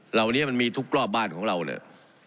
เหล่านี้มันมีทุกรอบบ้านของเราเนี่ย